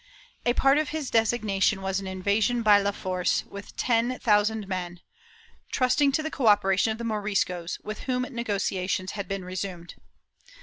A part of his design was an invasion by la Force with ten thousand men, trusting to the cooperation of the Moriscos, with whom negotiations had been resumed.